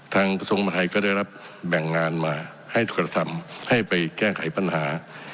ทางธรรมไทยก็ได้รับแบ่งงานมาให้ละทำให้ไปแก้ไขปัญหา